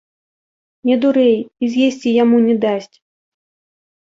Не дурэй, і з'есці яму не дасць!